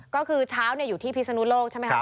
ก็คือเช้าอยู่ที่พิศนุโลกใช่ไหมครับ